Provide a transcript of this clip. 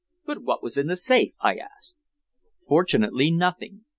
"But what was in the safe?" I asked. "Fortunately nothing.